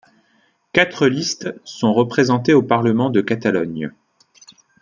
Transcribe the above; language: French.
Quatre listes sont représentées au Parlement de Catalogne.